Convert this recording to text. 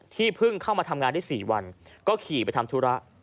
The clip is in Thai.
เพิ่งเข้ามาทำงานได้๔วันก็ขี่ไปทำธุระ